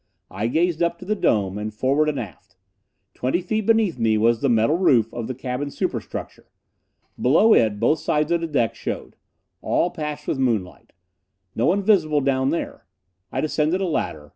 I gazed up to the dome, and forward and aft. Twenty feet beneath me was the metal roof of the cabin superstructure. Below it, both sides of the deck showed. All patched with moonlight. No one visible down there. I descended a ladder.